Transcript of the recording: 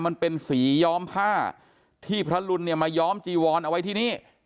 มันเป็นสีย้อมผ้าที่พระรุนเนี่ยมาย้อมจีวรเอาไว้ที่นี่